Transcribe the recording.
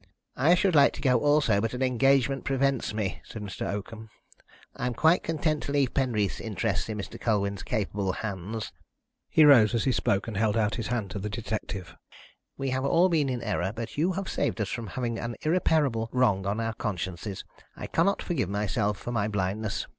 "I should like to go also, but an engagement prevents me," said Mr. Oakham. "I am quite content to leave Penreath's interests in Mr. Colwyn's capable hands." He rose as he spoke, and held out his hand to the detective. "We have all been in error, but you have saved us from having an irreparable wrong on our consciences. I cannot forgive myself for my blindness.